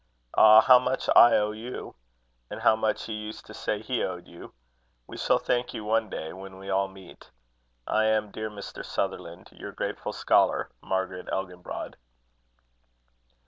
Ah! how much I owe you! And how much he used to say he owed you! We shall thank you one day, when we all meet. "I am, dear Mr. Sutherland, "Your grateful scholar, "MARGARET ELGINBROD."